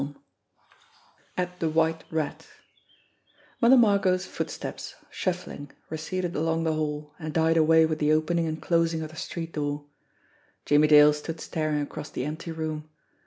XXVI AT "the white rat" MOTHER MARGOT'S footsteps, shuffling, receded along the hall, and died away with the opening and closing of the street door. Jimmie Dale stood staring across the empty room.